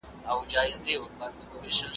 زمونږ علمي درک د فرد د نظر پر څرنګوالي اثر لري.